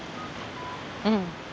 うん。